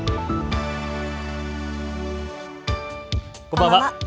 こんばんは。